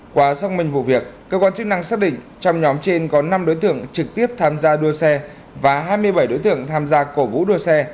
qua xác minh vụ việc cơ quan chức năng xác định trong nhóm trên có năm đối tượng trực tiếp tham gia đua xe và hai mươi bảy đối tượng tham gia cổ vũ đua xe